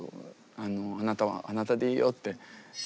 「あなたはあなたでいいよ」って。